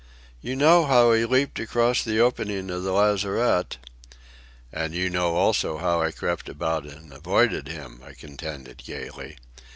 You know how he leaped across the opening of the lazarette." "And you know also how I crept about and avoided him," I contended gaily.